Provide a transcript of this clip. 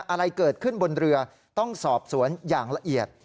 อะไรเกิดขึ้นบนเรือต้องสอบสวนอย่างละเอียด